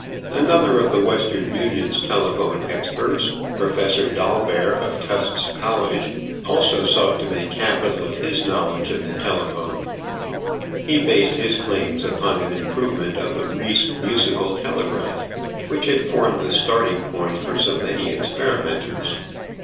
Another of the Western Union's telephone experts, Professor Dolbear, of Tufts College, also sought to make capital of his knowledge of the telephone. He based his claims upon an improvement of the Reis musical telegraph, which had formed the starting point for so many experimenters.